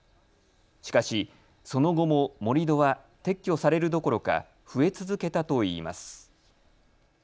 しかし、その後も盛り土は撤去されるどころか増え続けたといいます。